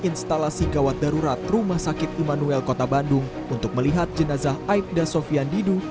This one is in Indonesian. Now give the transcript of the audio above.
instalasi gawat darurat rumah sakit immanuel kota bandung untuk melihat jenazah aibda sofian didu